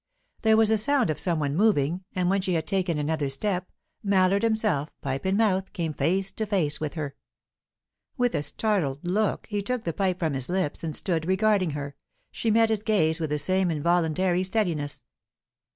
There was a sound of some one moving, and when she had taken another step, Mallard himself, pipe in mouth, came face to face with her. With a startled look, he took the pipe from his lips, and stood regarding her; she met his gaze with the same involuntary steadiness.